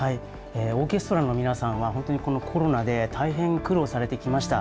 オーケストラの皆さんは、本当にこのコロナで大変苦労されてきました。